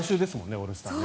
オールスターね。